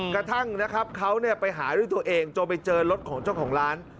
กระทั่งนะครับเขาไปหาด้วยตัวเองจนไปเจอรถของเจ้าของร้าน